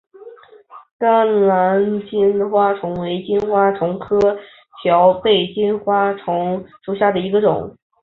甘蓝金花虫为金花虫科条背金花虫属下的一个种。